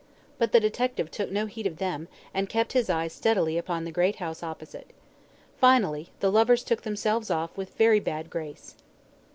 But the detective took no heed of them, and kept his eyes steadily upon the great house opposite. Finally, the lovers took themselves off with a very bad grace.